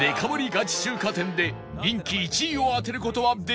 ガチ中華店で人気１位を当てる事はできるのか？